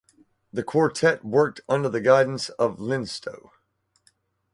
This quartet worked under the guidance of Linstow.